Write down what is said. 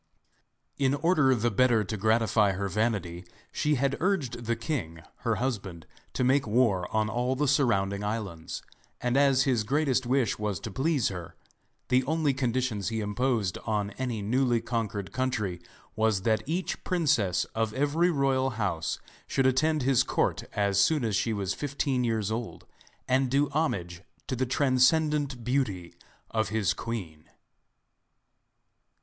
In order the better to gratify her vanity she had urged the king, her husband, to make war on all the surrounding islands, and as his greatest wish was to please her, the only conditions he imposed on any newly conquered country was that each princess of every royal house should attend his court as soon as she was fifteen years old, and do homage to the transcendent beauty of his queen.